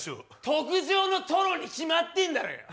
特上のとろに決まってんだろ！